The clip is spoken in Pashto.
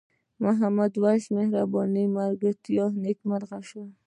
د محمد وېس مهربان ملګرتیا نیکمرغه شوه.